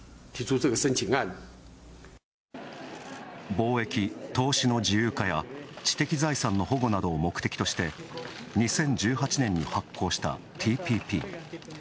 貿易・投資の自由化や知的財産の保護などを目的として２０１８年に発効したＴＰＰ。